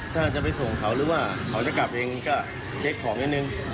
ถ้าจะไปส่งเขาหรือว่าเขาจะกลับเองก็เช็คของนิดนึง